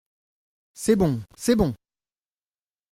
C’est bon ! c’est bon !